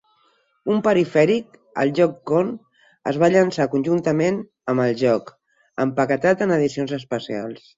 Un perifèric, el JogCon, es va llançar conjuntament amb el joc, empaquetat en edicions especials.